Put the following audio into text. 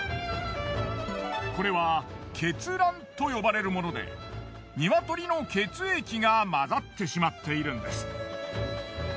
これは血卵と呼ばれるもので鶏の血液が混ざってしまっているんです。